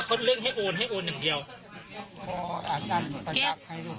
เขาบอกว่าสายค่าครู